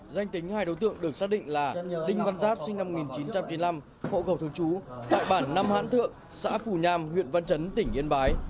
danh tính hai đối tượng được xác định là đinh văn giáp sinh năm một nghìn chín trăm chín mươi năm hộ cầu thượng chú tại bản năm hãn thượng xã phủ nham huyện văn chấn tỉnh yên bái